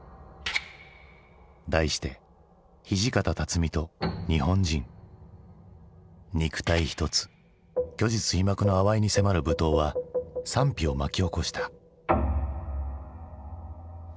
題して「土方と日本人」。肉体一つ虚実皮膜のあわいに迫る舞踏は賛否を巻き起こした。